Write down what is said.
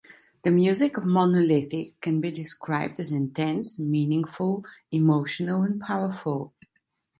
The music of Monolithic can be described as "intense", "meaningful", "emotional", and "powerful".